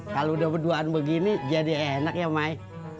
kalau udah berduaan begini jadi enak ya mai